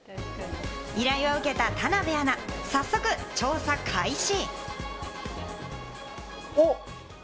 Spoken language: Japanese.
依頼を受けた田辺アナ、早速調査開始。